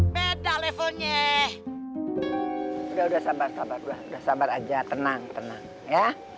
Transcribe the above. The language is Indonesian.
beda levelnya sudah sabar sabar udah sabar aja tenang tenang ya